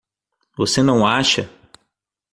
Você não acha?